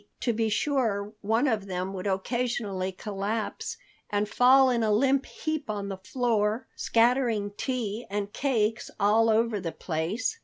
To be sure, one of them would occasionally collapse and fall in a limp heap on the floor, scattering tea and cakes all over the place.